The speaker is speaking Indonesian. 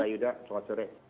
hanta yuda selamat sore